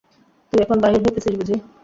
তুই এখন বাহির হইতেছিস বুঝি?